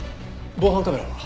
防犯カメラは？